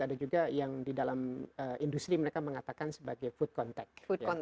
ada juga yang di dalam industri mereka mengatakan sebagai food contact